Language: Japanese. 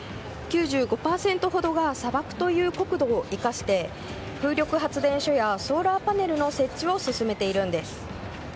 ９５％ほどが砂漠という国土を生かして風力発電所やソーラーパネルの設置を進めているんです。